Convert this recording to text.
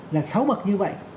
là sáu bậc như vậy